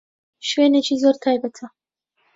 شوێنێکی زۆر تایبەتە.